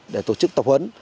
để tổ chức tập huấn